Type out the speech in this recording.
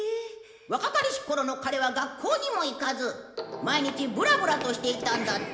若かりし頃の彼は学校にも行かず毎日ブラブラとしていたんだって。